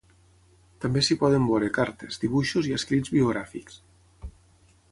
També s’hi poden veure cartes, dibuixos i escrits biogràfics.